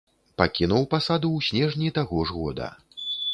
Пакінуў пасаду ў снежні таго ж года.